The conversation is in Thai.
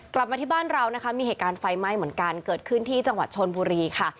กลับมาที่บ้านเรานะคะมีเหตุการณ์ไฟไหม้เหมือนกันเกิดขึ้นที่จังหวัดชนบุรีค่ะ